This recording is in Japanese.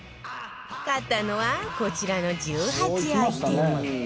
買ったのはこちらの１８アイテム